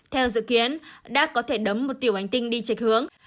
theo dự kiến dart có thể đấm một tiểu hành tinh đi trịch hướng